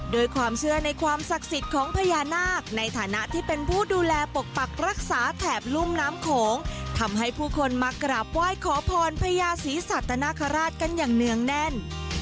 โดยความเชื่อในความศักดิ์สิทธิ์ของพญานาคในฐานะที่เป็นผู้ดูแลปกปักรักษาแถบลุ่มน้ำโขงทำให้ผู้คนมากราบไหว้ขอพรพญาศรีสัตนคราชกันอย่างเนื่องแน่น